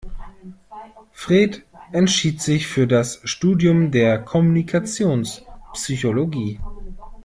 Fred entschied sich für das Studium der Kommunikationspsychologie.